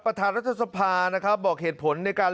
ประธานรัฐสภานะครับบอกเหตุผลในการ